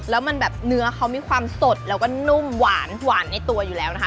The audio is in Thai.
แล้วมันแบบเนื้อเขามีความสดแล้วก็นุ่มหวานหวานในตัวอยู่แล้วนะคะ